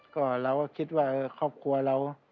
ก็เราก็คิดว่าครอบครัวเรา